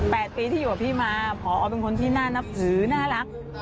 ๘ปีที่อยู่กับพี่มาผอเป็นคนที่น่านับถือน่ารัก